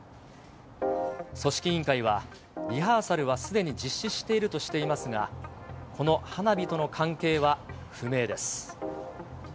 組織委員会は、リハーサルはすでに実施しているとしていますが、この花火との関係は不明です。